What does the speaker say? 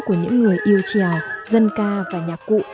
của những người yêu trèo dân ca và nhạc cụ